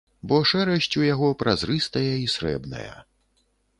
Бо шэрасць у яго празрыстая і срэбная.